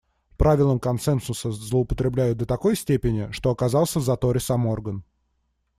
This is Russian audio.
Правилом консенсуса злоупотребляют до такой степени, что оказался в заторе сам орган.